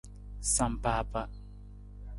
Sampaapa.